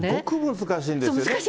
難しいんですよ。